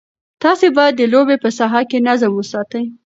تاسي باید د لوبې په ساحه کې نظم وساتئ.